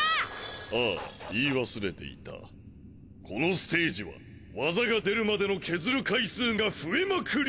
ああ言い忘れていたこのステージは技が出るまでのケズる回数が増えまくり！